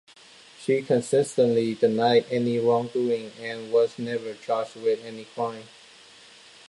She consistently denied any wrongdoing and was never charged with any crime.